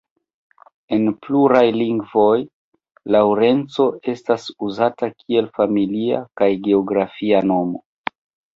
En pluraj lingvoj Laŭrenco estas uzata kiel familia kaj geografia nomo.